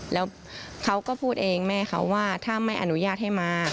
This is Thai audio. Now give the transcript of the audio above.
แล้วเขาก็พูดเองแม่เขาว่าถ้าไม่อนุญาตให้มา